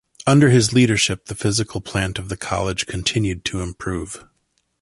Under his leadership, the physical plant of the College continued to improve.